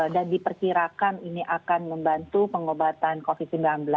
dan diperkirakan ini akan membantu pengobatan covid sembilan belas